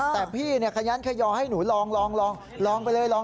แต่พี่ขยันขยอให้หนูลองไปเลยลอง